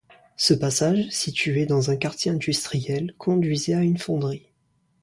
Ce passage, situé dans un quartier industriel, conduisait à une fonderie.